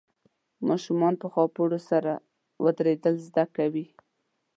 ماشومان په خاپوړو سره ودرېدل زده کوي.